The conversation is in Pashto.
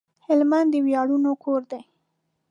هلمند د وياړونو کور دی